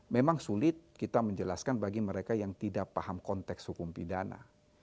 memang sulit kita menjelaskan bagi mereka yang tidak paham konteks hukum pidana